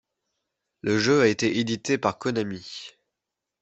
Le jeu a été édité par Konami.